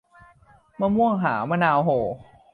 มะม่วงหาว มะนาวโห่